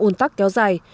ùn tắc kéo dài